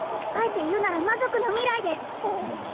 あえて言うなら魔族の未来です